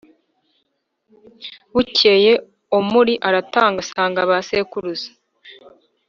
Bukeye Omuri aratanga asanga ba sekuruza